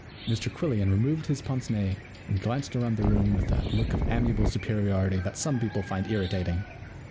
Mr Quillian removed his pince nez and glanced round the room with that look of amiable superiority that some people found irritating.